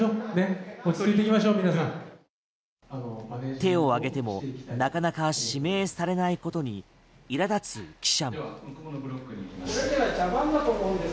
手を上げてもなかなか指名されないことにいら立つ記者。